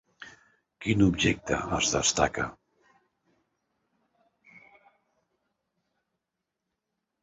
Quin objecte es destaca?